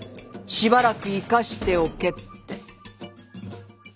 しばらく生かしておけって。